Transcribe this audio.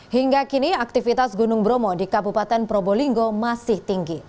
hingga kini aktivitas gunung bromo di kabupaten probolinggo masih tinggi